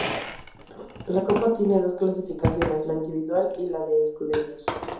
La copa tiene dos clasificaciones, la individual y la de escuderías.